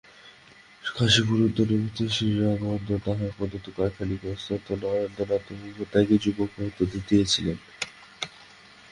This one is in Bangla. কাশীপুর উদ্যানবাটীতে শ্রীরামকৃষ্ণদেব তাঁহার প্রদত্ত কয়েকখানি গেরুয়াবস্ত্র নরেন্দ্রনাথ প্রমুখ ত্যাগী যুবক ভক্তদের দিয়াছিলেন।